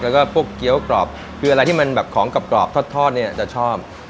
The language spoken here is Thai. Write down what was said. แล้วก็พวกเกี้ยวกรอบคืออะไรที่มันแบบของกรอบทอดเนี่ยจะชอบ